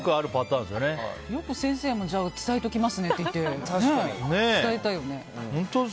よく先生も伝えておきますねって伝えたよね。